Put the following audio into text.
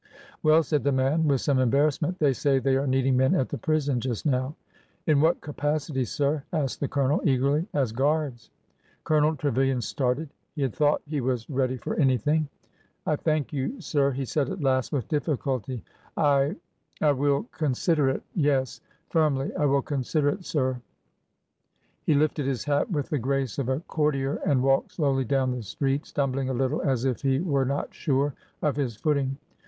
" "Well," said the man, with some embarrassment, " they say they are needing men at the prison just now." " In what capacity, sir ?" asked the Colonel, eagerly. "As guards." Colonel Trevilian started. He had thought he was ready for anything. " I thank you, sir," he said at last, with difficulty. " I — I will — consider it. Yes," — firmly, —" I will consider it, sir." He lifted his hat with the grace of a courtier and walked slowly down the street, stumbling a little as if he were not sure of his footing.